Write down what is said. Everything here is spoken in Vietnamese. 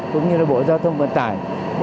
cũng như bộ giao thông vận tải